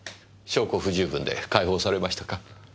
証拠不十分で解放されましたか？